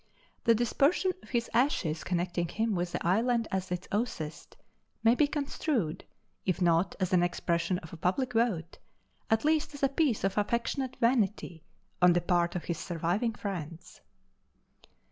The dispersion of his ashes connecting him with the island as its oecist, may be construed, if not as the expression of a public vote, at least as a piece of affectionate vanity on the part of his surviving friends.